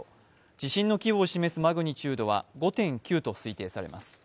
地震の規模を示すマグニチュードは５．９と推定されます。